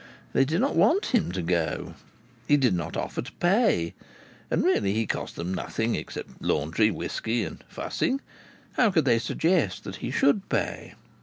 They did not want him to go. He did not offer to pay. And really he cost them nothing except laundry, whisky and fussing. How could they suggest that he should pay?